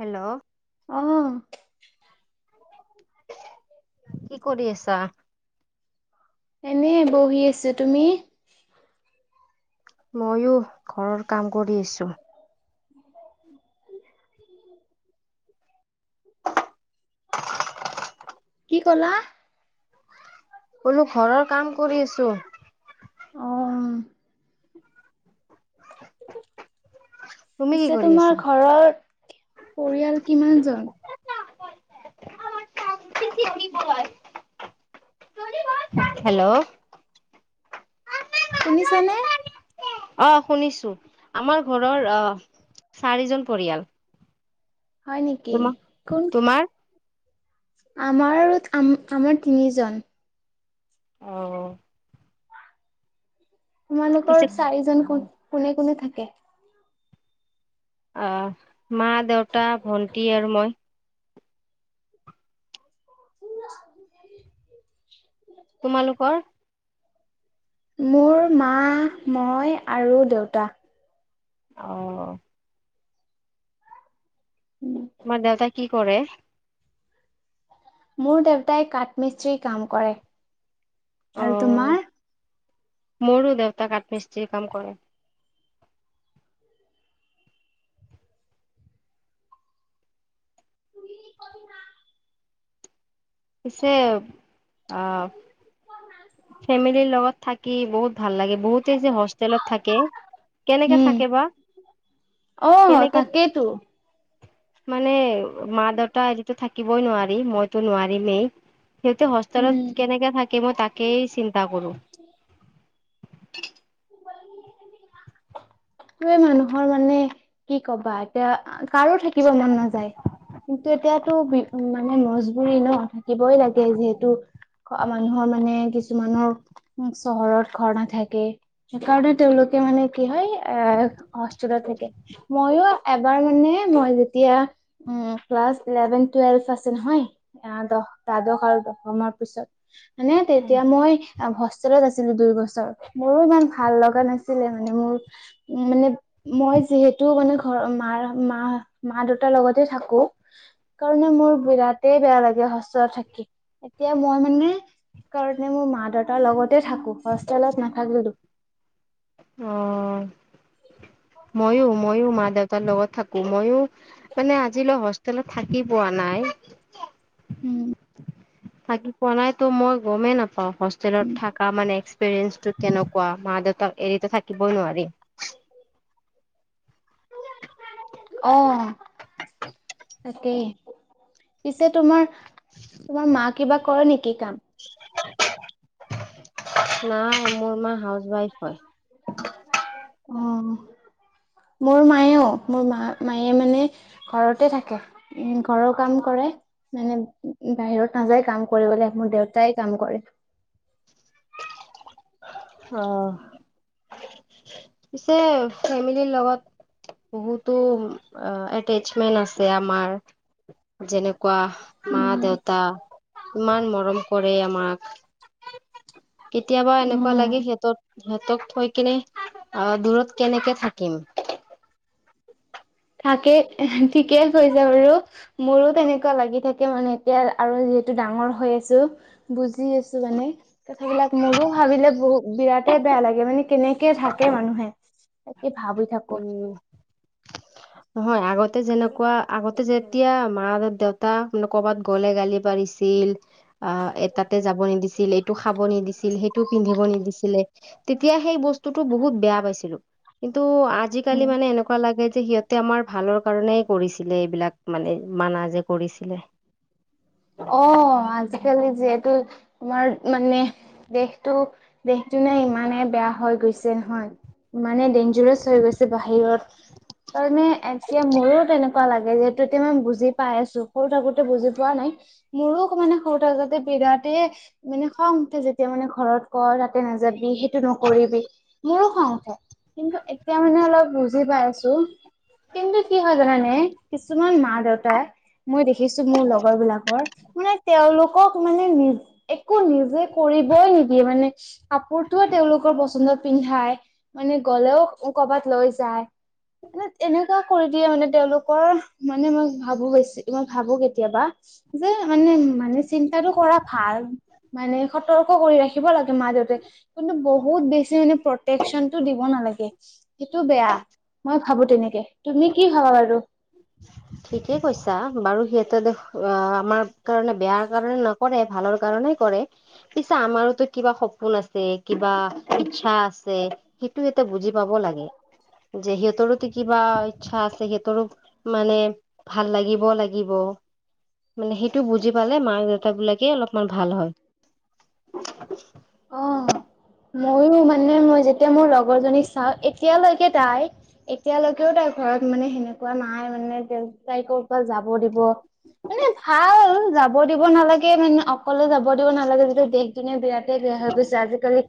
Hello অহ [unintelligible] কি কৰি আছা এনে বহি আছো তুমি ময়ো ঘৰৰ কাম কৰি আছো। কি ক'লা? বোলো ঘৰৰ কাম কৰি আছোঁ। অ [inaudible] তুমি কি পিছে কৰি আছা? তোমাৰ ঘৰৰ পৰিয়াল, কিমান জন? [unintelligible] হেল্ল' শুনিছানে অ শুনিছো আমাৰ ঘৰৰ আহ চাৰিজন পৰিয়াল হয় নেকি তোমাৰ কোন তোমাৰ আমাৰ আমাৰ তিনিজন অ পিছে তোমালোকৰ চাৰিজন ক কোনে কোনে থাকে! আহ মা দেউতা ভন্টি আৰু মই তোমালোকৰ। মোৰ মা মই আৰু দেউতা। অ তোমাৰ দেউতা কি কৰে। মোৰ দেউতাই কাঠ মিস্ত্ৰী কাম কৰে, অ আৰু তোমাৰ। মোৰো দেউতাক কাঠ্মিস্ত্ৰীৰ কাম কৰে। পছে, অহ। ফেমিলিৰ লগত থাকি বহুত ভাল লাগে বহুতে যে হোষ্টেলত থাকে। কেনেকে থাকে বা। অহ কেনেকে তাকেইতো। মানে মা-দেউতা এৰি থাকিবই নোৱাৰি মইতো নোৱাৰিমেই। সিহঁতে হোষ্টেল উম কেনেকে থাকে মই তাকেই চিন্তা কৰো। এই মানুহৰ মানে কি কবা এতিয়া কাৰো থাকিব মন নাযায়। কিন্তু এতিয়াতো বি মানে মজবুৰি ন থাকিবই লাগে যিহেতু। মানুহৰ মানে কিছুমানৰ চহৰত ঘৰ নাথাকে সেইকাৰণে তেওঁলোকে। মানে কি হয়। এ হষ্টেলত থাকে। মইয়ো এবাৰ মানে মই যেতিয়া, উম ক্লা ক্লাছ ইলেভেন টুৱেল্ভ আছে নহয়, এয়া দহ দ্বাদশ আৰু দশমাৰ পিছত। মনে তেতিয়া মই হোষ্টেলত আছিলো দুই বছৰ, মোৰো ইমান ভাল লগা নাছিলে মানে মোৰ উম, মানে মই যিহেতু মানে ঘৰৰ মাৰ মা মা দেউতাৰ লগতে থাকো কাৰণে মোৰ বিৰাতে বেয়া লাগে হোষ্টেলত থাকি, এতিয়া মই মানে সেইকাৰণে মোৰ মা দেউতাৰ লগতে থাকো অ', ময়ো ময়ো মা দেউতাৰ লগত থাক ময়ো, মানে আজিলৈ হোষ্টেলত থাকি পোৱা নাই। উম। থাকি পোৱা নাই, ত' মই গমে নাপাও হোষ্টেলত থাকা মানে এক্সপিৰিয়েন্সটো কেনেকুৱা, মা দেউতাক এৰিতো থাকিবই নোৱাৰি। [inaudible] অ'। তাকেই, পিছে তোমাৰ তোমাৰ মা কিবা কৰে নেকি কাম? [unintelligible] নাই মোৰ মা হাউচ ৱাইফ হয় অ'। মোৰ মায়েও, মোৰ মা-মায়ে মানে ঘৰতে থাকে। উ', ঘৰৰ কাম কৰে। মানে বাহিৰত নাযায় কাম কৰিবলে, মোৰ দেউতাই কাম কৰে। অ'। পিছে ফেমিলিৰ লগত বহুতো এটচমেন্ট আছে আমাৰ, যেনে কোৱা, উম মা-দেউতা ইমান মৰম কৰে আমাক। কেতিয়াবা এনেকুৱা উম লাগে সিহঁতক সিহঁতক থৈ কেনে আ দূৰত কেনেকে থাকিম? থাকেই ঠিকেই কৈছা বাৰু, মোৰো তেনেকুৱা লাগি থাকে মানে এতিয়া আৰু যিহেতু ডাঙৰ হৈ আছো, বুজি আছো মানে কথাবিলাক মোৰো ভাবিলে বহু বিৰাটে বেয়া লাগে মানে কেনেকে থাকে মানুহে, তাকে ভাবি থাকো। উম নহয় আগতে যেনেকুৱা, আগতে যেতিয়া মা আৰু দেউতা মানে কবাত গ'লে গালি পাৰি ছিল আ এ তাতে যাব নিদিছিল, এইটো খাব নিদিছিল, সেইটো পিন্ধিব নিদিছিলে তেতিয়া সেই বস্তুটো বহুত বেয়া পাইছিলো, কিন্তু আজিকালি উম মানে এনেকুৱা লাগে যে সিহঁত তে আমাৰ ভালৰ কাৰণেই কৰিছিলে এইবিলাক মানে মানা যে কৰিছিলে। অ', আজিকালি যে তো তোমাৰ মানে দেশটো দিনকদিনে ইমানেই বেয়া হৈ গৈছে হয় ইমানে ডেঞ্জাৰছ হৈ গৈছে বাহিৰত, সেইতোকাৰনে একচুৱেলি মোৰো তেনেকুৱা লাগে যে ত' এতিয়া মই বুজি পাই আছো, সৰু থাকোতে বুজি পোৱা নাই। মোৰো আকৌ মানে সৰু থাকোঁতে বিৰাটেই মানে খং উঠে যেতিয়া মানে ঘৰত কয়, তাতে নাযাবি সেইটো নকৰিবি, মোৰো খং উঠে কিন্তু এতিয়া মানে অলপ বুজি পাই আছো। কিন্তু কি হয় জানানে কিছুমান মা-দেউতাই, মই দেখিছো মোৰ লগৰ বিলাকৰ মানে তেওঁলোকক মানে নি একো নিজে কৰিবই নিদিয়ে মানে, কাপোৰতো তেওঁলোকৰ পচন্দত পিন্ধাই, মানে গ'লেও কৰবাত লৈ যায় মানে এনেকুৱা কৰি দিয়ে মানে তেওঁলোকৰ, মানে মই ভাবো হৈছে মই ভাবো কেতিয়াবা যে মানে মানে চিন্তাটো কৰা ভাল, মানে সতৰ্ক কৰি ৰাখিব লাগে মা-দেউতাই কিন্তু বহুত বেছি মানে প্ৰটেকচনতটো দিব নালাগে, সেইটো বেয়া। মই ভাবো তেনেকে। তুমি কি ভাবা বাৰু? ঠিকে কৈছা, বাৰু সিহঁতে দেখ আ আমাৰ কাৰণে বেয়া কাৰণে নকৰে ভালৰ কাৰণে কৰে। পিছে আমাৰোতো কিবা সপোন আছে, কিবা ইচ্ছা আছে, সিটো সিহঁতে বুজি পাব লাগে, যে সিহঁতৰোতো কিবা ইচ্ছা আছে সিহঁতৰো মানে ভাল লাগিব লাগিব মানে সেইটো বুজি পালে মাক-দেউতাকবিলাকে অলপমান ভাল হয় অ মইয়ো মানে মই যেতিয়া মোৰ লগৰ জনীক চাও এতিয়ালৈকে তাই এতিয়ালৈকেও তাৰ ঘৰত মানে সেনেকুৱা নাই মানে দেউতাকক যাব দিব মানে ভাল যাব দিব দিব নালাগে মানে অকলে যাব দিব নালাগে যতিয়া দেশ- দুনীয়া বিৰাতে বেয়া হৈ গৈছে আজিকালি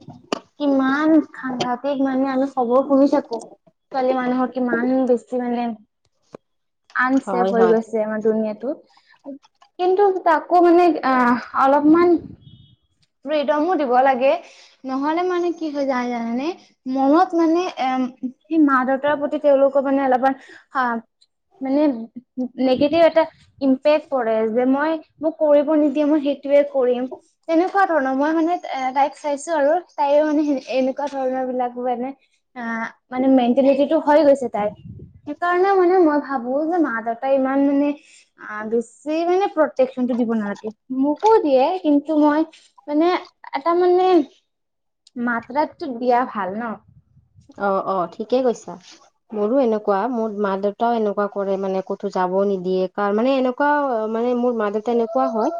কিমান সাংঘাতিক মানে আমি খবৰ শুনি থাকোঁ ছোৱালী মানুহৰ কিমান বেছি মানে আনচেফ হয় হৈ হয় গৈছে আমাৰ দুুনিয়াত কিন্তু তাকো মানে অ অলপমান দমো দিব লাগে নহলে মানে কি হৈ যায় জানেনে মনত মানে এ সেই মা -দেউতাৰ প্ৰতি তেওঁলোকৰ মানে অলপমান হ মানে নিগেটিভ এটা ইম্পেক্ কৰে যে মই মোক কৰিব নিদিয়ে মই সেইটোৱে কৰিম তেনেকুৱা ধৰণৰ। মই মানে এ তাইক চাইছো আৰু তাইও মানে এনেকুৱা ধৰণৰ বিলাক মানে অ। মানে মেণ্টেলিটিটো হৈ গৈছে তাই। সেইকাৰণে মানে মই ভাবো যে মা-দেউতাই ইমান মানে অ বেছি মানে প্ৰটেকচন দিব নালাগে মোকো দিয়ে কিন্তু মই মানে এটা মানে মাত্ৰাতটো দিয়া ভাল ন। অ অ ঠিকে কৈছা মোৰো এনেকুৱা মোৰ মা দেউতাও এনেকুৱা কৰে মানে ক'তো যাব হ নিদিয়ে তাৰ মানে এনেকুৱা মানে মোৰ মা দেউতা এনেকুৱা হয়।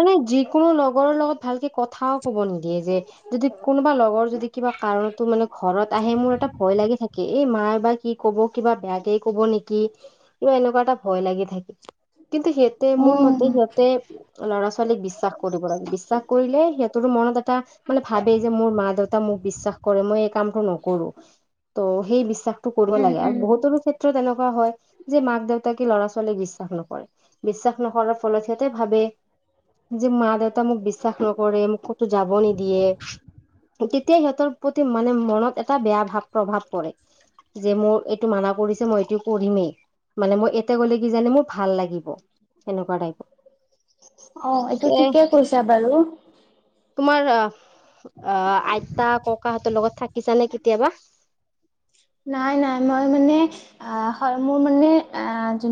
মানে যিকোনো লগৰৰ লগত ভালকে কথাও ক'ব নিদিয়ে যে যদি কোনোবা লগৰ যদি কিবা কাৰণতো মানে ঘৰ আহে মোৰ এটা ভয় লাগি থাকে এই মাৰ বা কি কব কিবা বেয়াকে কব নেকি কিবা এনেকুৱা এটা ভয় লাগি থাকে কিন্তু সিহঁতে মোৰ উম মতে সিহঁতে ল'ৰা ছোৱালীক বিশ্বাস কৰিব লাগে বিশ্বাস কৰিলে সিহঁতৰো মনত এটা মানে ভাবে যে মোৰ মা দেউতা মোক বিশ্বাস কৰে মই এই কামটো নকৰো ত' সেই বিশ্বাসটো কৰিব উম লাগে উম আৰু বহুতৰো ক্ষেত্ৰত এনেকুৱা কোৱা হয় যে মাক- দেউতাকে ল'ৰা ছোৱালী বিশ্বাস নকৰে বিশ্বাস নকৰাৰ ফলত সিহঁতে ভাবে যে মা-দেউতা মোক বিশ্বাস নকৰে মোক ক'তো যাব নিদিয়ে তেতিয়াই সিহঁতৰ প্ৰতি মানে মনত এটা বেয়া ভাৱ প্ৰভাৱ পৰে। যে মোৰ এইটো মানা কৰিছে মই এইটো কৰিমেই মানে মই এতিয়া গলে কিজানি মোৰ ভাল লাগিব সেনেকুৱা টাইপৰ অ এইটো এ ঠিকেই কৈছা বাৰু। তোমাৰ আহ আহ আইতা -ককাহঁতৰ লগত থাকিছানে কেতিয়াবা? নাই নাই মই মানে অ হয় মোৰ মানে আহ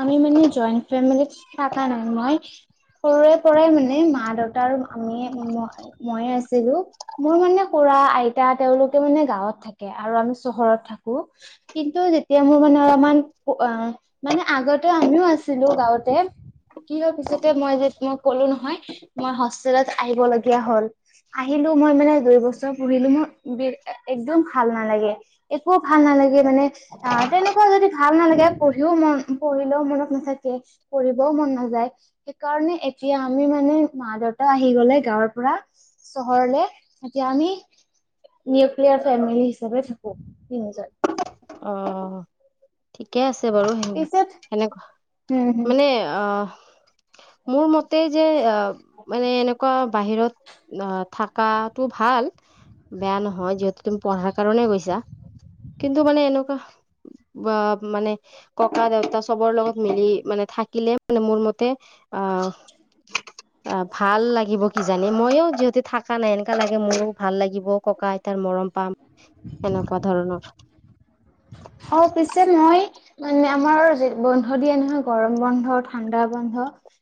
আমি মানে জইণ্ট ফেমিলি থকা নাই মই [unintelligible] সৰুৰে পৰাই মানে মা দেউতা আৰু আমি মইৱে আছিলো মোৰ মানে খুৰা আইতা তেওঁলোকে মানে গাঁৱত থাকে আৰু আমি চহৰত থাকো কিন্তু এতিয়া মোৰ মানে অলপমান মানে আগতে আমিও আছিলো গাঁৱতে। কি হয় পিছতে মই যে তোমাক ক'লো নহয় মই হোষ্টেলত আহিব লগীয়া হ'ল। আহিলো মই মানে দুই বছৰ পঢ়িলো মোৰ বি একদম ভাল নালাগে একো ভাল নালাগে মানে অ তেনেকুৱা যদি ভাল নালাগে পঢ়িও মন ও মনত নাথাকে পঢ়ও মন নাযায় সেইকাৰণে এতিয়া আমি মানে মা দেউতা গলে গাঁৱৰ পৰা চহৰলে এতিয়া আমি নিকনিয়াৰ ফেমিলি। হিচাপে থাকো তিনিজন অ ঠিকে আছে আছে বাৰু স পিছত সেনেকুৱা হম হম মানে অ মোৰ মতে যে আহ মানে এনেকুৱা বাহিৰত অ থাক শ কটো ভাল বেয়া নহয় যিহেতু তুমি পঢ়াৰ কাৰনে গৈছা কিন্তু মানে এনেকুৱা বা মানে ককা দেউতা চবৰ লগত মিলি মানে থাকিলে। মানে মোৰ মতে অ ভাল লাগিব কি জানি মইও যিহেতু থাকা নাই এনেকা লাগে মোৰো ভাল লাগিব ককা- আইতাৰ মৰম পাম, সেনেকুৱা ধৰণৰ অ পিছে মই মানে আমাৰ বন্ধ দিয়ে নহয় গৰম বন্ধ, ঠাণ্ডা বন্ধ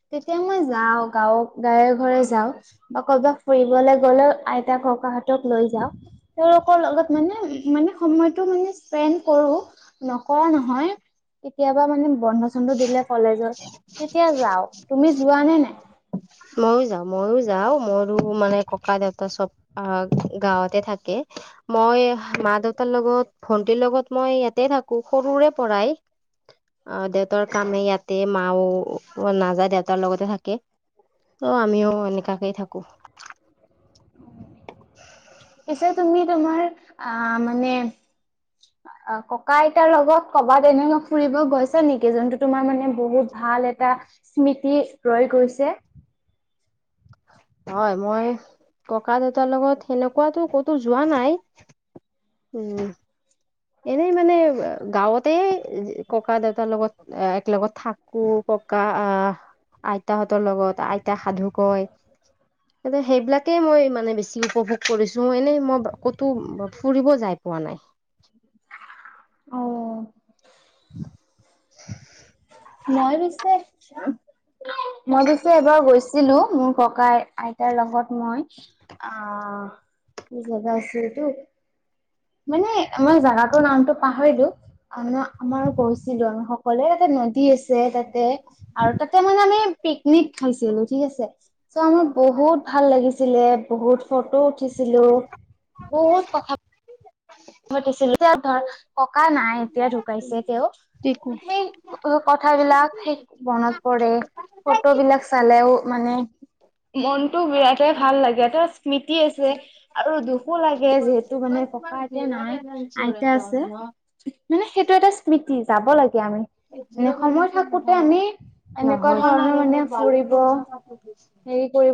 তেতিয়া মই যাওঁ গাঁৱ গাৱে ঘৰে যাও বা ক'বাত ফুৰিবলৈ গ'লেও আই আইতা -ককাহতক লৈ যাওঁ, তেওঁলোকৰ লগত মানে মানে সময়টো মানে স্পেণ্ট কৰো, নকৰা নহয় কেতিয়াবা মানে বন্ধ চন্ধ দিলে কলেজত তেতিয়া যাও, তুমি যোৱা নে নাই? মইও যাও মইও যাও মোৰো মানে ককা, দেউতা চব আহ গাঁৱতে থাকে। মই মা, দেউতাৰ লগত ভন্টিৰ লগত মই ইয়াতে থাকো সৰুৰে পৰাই আহ দেউতাৰ কামে ইয়াতে মাও মই নাযায় দেউতাৰ লগতে থাকে ত' আমিও এনেকুৱাকেই থাকো। [inaudible] পিছে তুমি তোমাৰ আহ মানে অ ককা -আইতাৰ লগত কবাত এনেকৈ ফুৰিব গৈছা নেকি যোনটো তোমাৰ মানে বহুত ভা এটা স্মৃতি ৰৈ গৈছে। হয় মই ককা- দেউতাৰ লগত সেনেকুৱাতো ক'তো যোৱা নাই উম। এনেই মানে গাঁৱতে ককা -দেউতাৰ লগত একেলগত থাকো ককা আহ আইতাহঁতৰ লগত আইতা সাধু কয় এ সেইবিলাকে মই মানে বেছি উপভোগ কৰিছো এনেই মই ক'তো ফুৰিব যাই পোৱা নাই। অ। [inaudible] মই পিছে, মই পিছে এবাৰ গৈছ ছিলো মোৰ ককাই -আইতাৰ লগত মই আহ জাবা আছিল তো মানে মই জাগাটোৰ নামটো পাহৰিলো, আমাৰ গৈছিলো আমি সকলোৱে যাতে নদী আছে তাতে আৰু তাতে মানে আমি পিকনিক খাইছিলো ঠিক আছে চ' আমাৰ বহুত ভাল লাগিছিল। ছিলে বহুত ফটো উঠিছিলো, বহুত কথা মতিছিল এতিয়া ধৰ ককা নাই এতিয়া ঢুকাইছে তেওঁ, সেই কথাবিলাক সেই মনত পৰে, ফটো বিলাক চালেও মানে মনটো বিৰাটে ভাল লাগে এটা স্মৃতি আছে আৰু দুখো লাগে যিহ টো মানে ককা এতিয়া নাই আইতা আছে, মানে সেইটো এটা স্মৃতি যাব লাগে। গাঁৱে। মানে সময় থাকোতে আমি এনেকুৱা ধৰণৰ মানে ফুৰিব হেৰি কৰিব